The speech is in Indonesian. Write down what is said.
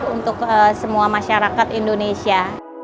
untuk semua masyarakat indonesia